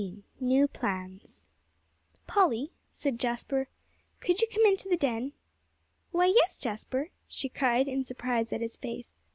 XVI NEW PLANS "Polly," said Jasper, "could you come into the den?" "Why, yes, Jasper," she cried, in surprise at his face.